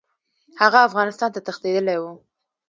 هغه افغانستان ته تښتېدلی وو.